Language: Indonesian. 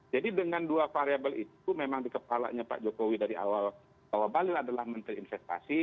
jadi dengan dua variable itu memang di kepalanya pak jokowi dari awal bahwa bahlil adalah menteri investasi